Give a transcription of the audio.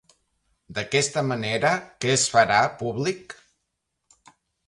D'aquesta manera, què es farà públic?